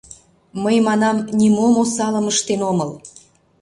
Мый, манам, нимом осалым ыштен омыл.